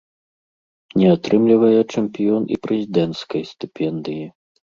Не атрымлівае чэмпіён і прэзідэнцкай стыпендыі.